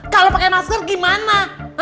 kalau pakai masker gimana